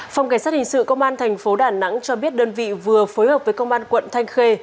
phòng cảnh sát hình sự công an thành phố đà nẵng cho biết đơn vị vừa phối hợp với công an quận thanh khê